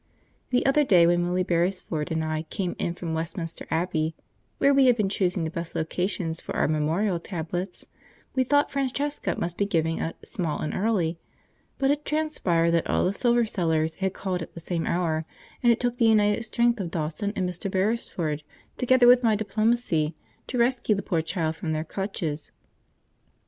The other day, when Willie Beresford and I came in from Westminster Abbey (where we had been choosing the best locations for our memorial tablets), we thought Francesca must be giving a 'small and early'; but it transpired that all the silver sellers had called at the same hour, and it took the united strength of Dawson and Mr. Beresford, together with my diplomacy, to rescue the poor child from their clutches.